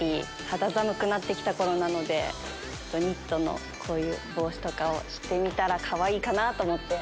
肌寒くなって来た頃なのでニットのこういう帽子をしてみたらかわいいかと思って。